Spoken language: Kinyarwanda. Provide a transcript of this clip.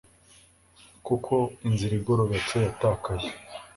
kuko inzira igororotse yatakaye